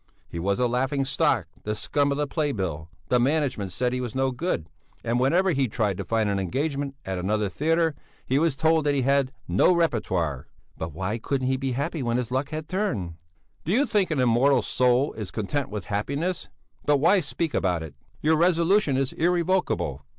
He was a laughing stock, the scum of the playbill; the management said he was no good; and whenever he tried to find an engagement at another theatre, he was told that he had no repertoire." "But why couldn't he be happy when his luck had turned?" "Do you think an immortal soul is content with happiness? But why speak about it? Your resolution is irrevocable.